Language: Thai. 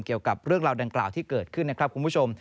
เกี่ยวกับเรื่องราวดังกล่าวที่เกิดขึ้นนะครับคุณผู้ชม